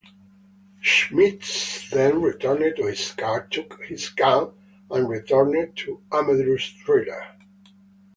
Schmitz then returned to his car, took his gun, and returned to Amedure's trailer.